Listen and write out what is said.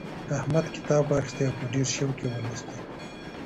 احمد کتاب واخیستی او په ډېر شوق یې ولوستی.